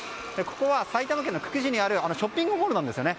ここは埼玉県久喜市にあるショッピングモールなんですよね。